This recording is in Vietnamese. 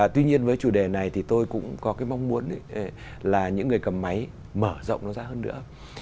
tuy nhiên với chủ đề này thì tôi cũng có cái mong muốn là những người cầm máy mở rộng nó ra hơn nữa